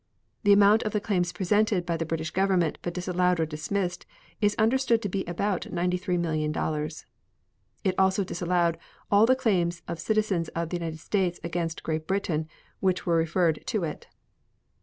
The amount of the claims presented by the British Government, but disallowed or dismissed, is understood to be about $93,000,000. It also disallowed all the claims of citizens of the United States against Great Britain which were referred to it.